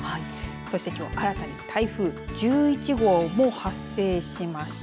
そしてきょう新たに台風１１号も発生しました。